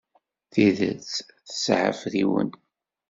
Tidet tesɛa afriwen.